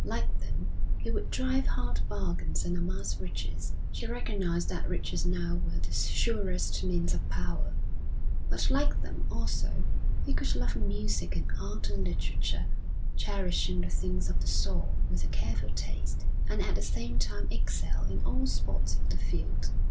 Like them he could drive hard bargains and amass riches she recognised that riches now were the surest means of power but like them also he could love music and art and literature, cherishing the things of the soul with a careful taste, and at the same time excel in all sports of the field.